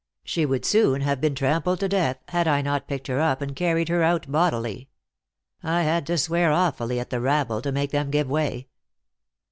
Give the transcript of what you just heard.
She would soon have been trampled to death, had I not picked her up and car ried her out bodily. I had to swear awfully at the rabble to make them give way."